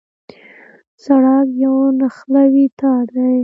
سړک یو نښلوی تار دی.